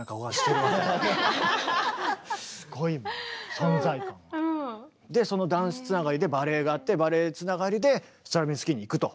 そこでああそれでそのダンスつながりでバレエがあってバレエつながりでストラヴィンスキーにいくと。